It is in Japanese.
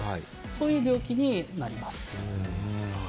そういう病気になります。